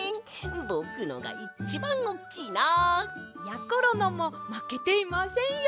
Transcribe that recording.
ぼくのがいちばんおっきいな！やころのもまけていませんよ。